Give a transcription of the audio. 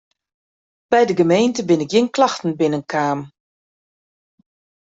By de gemeente binne gjin klachten binnen kaam.